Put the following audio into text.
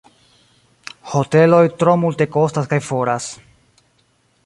Hoteloj tro multekostas kaj foras.